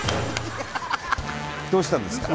どうしたんですか？